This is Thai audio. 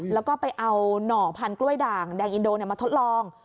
แล้วก็ไปเอาหน่อพันธุ์กล้วยด่างแดงอินโดมาทดลอง